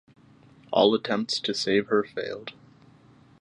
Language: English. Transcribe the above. All attempts to save her failed.